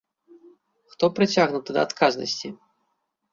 Хто прыцягнуты да адказнасці?